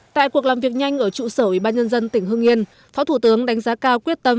tại cuộc làm việc nhanh ở trụ sở ủy ban nhân dân tỉnh hương yên phó thủ tướng đánh giá cao quyết tâm